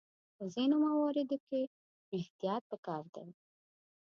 په ځینو مواردو کې احتیاط پکار دی.